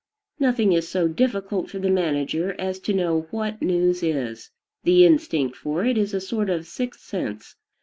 Nothing is so difficult for the manager as to know what news is: the instinct for it is a sort of sixth sense.